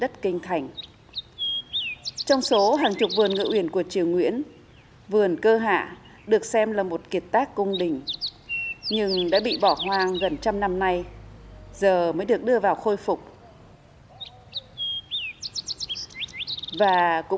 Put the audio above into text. trong số hàng chục vườn ngự uyển của triều nguyễn vườn cơ hạ được xem là một kiệt tác cung đình nhưng đã bị bỏ hoang gần trăm năm nay giờ mới được đưa vào khôi phục